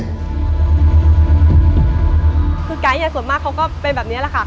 คือไก๊ส่วนมากเขาก็เป็นแบบนี้แหละค่ะ